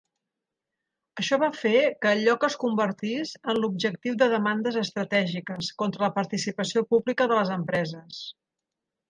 Això va fer que el lloc es convertís en l'objectiu de demandes estratègiques contra la participació pública de les empreses.